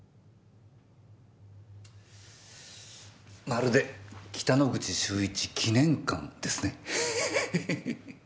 まるで北之口秀一記念館ですね。